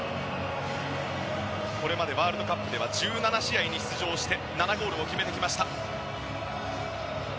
これまでワールドカップでは１７試合に出場して７ゴールを決めてきました。